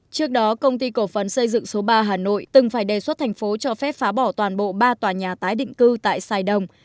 trước đó công ty cổ phần xây dựng số ba hà nội từng phải đề xuất thành phố cho phép phá bỏ toàn bộ ba tòa nhà tái định cư tại sài đồng